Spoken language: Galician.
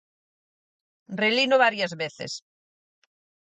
Relino varias veces.